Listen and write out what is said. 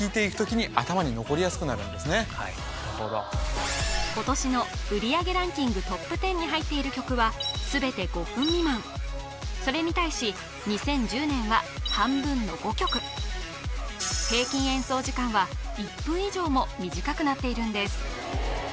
なるほど次々今年の売上ランキングトップ１０に入っている曲は全て５分未満それに対し２０１０年は半分の５曲平均演奏時間は１分以上も短くなっているんです